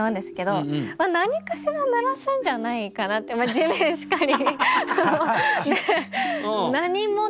地面しかり。